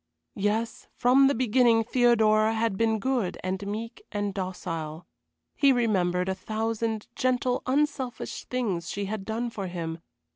Yes, from the beginning Theodora had been good and meek and docile. He remembered a thousand gentle, unselfish things she had done for him.